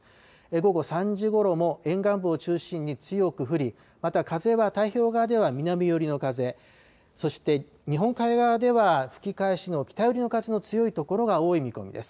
午後３時ごろも沿岸部を中心に強く降り、また風は太平洋側では南寄りの風、そして日本海側では吹き返しの北寄りの強い風の所が多い見込みです。